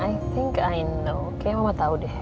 i think i know kayaknya mama tau deh